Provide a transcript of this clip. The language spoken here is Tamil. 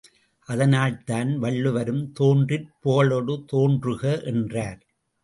அதனால்தான் வள்ளுவரும் தோன்றிற் புகழொடு தோன்றுக! என்றார்.